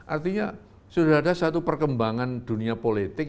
artinya sudah ada satu perkembangan dunia politik